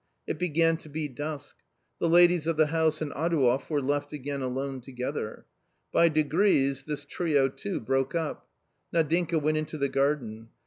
It began to be dusk. The ladies of the house and Adouev were left again alone together. By degrees this trio too broke up. Nadinka went into the garden.